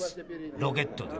ロケットでね。